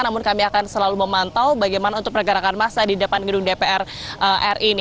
namun kami akan selalu memantau bagaimana untuk pergerakan massa di depan gedung dpr ri ini